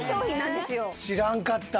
知らんかった。